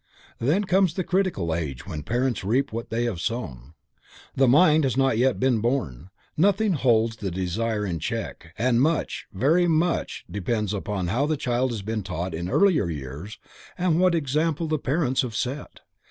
Then comes the critical age when parents reap what they have sown. The mind has not yet been born, nothing holds the desire nature in check, and much, very much, depends upon how the child has been taught in earlier years and what example the parents have set.